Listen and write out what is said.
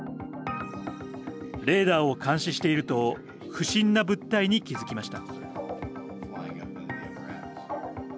レーダーを監視していると不審な物体に気づきました。